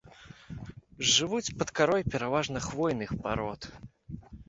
Жывуць пад карой пераважна хвойных парод.